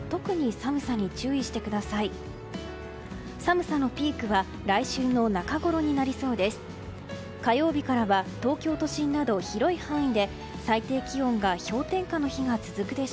寒さのピークは来週の中ごろになりそうです。